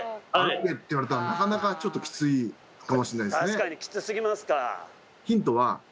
確かにきつすぎますか。